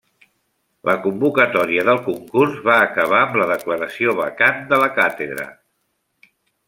La convocatòria del concurs va acabar amb la declaració vacant de la càtedra.